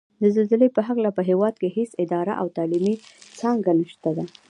د زلزلې په هکله په هېواد کې هېڅ اداره او تعلیمي څانګه نشته ده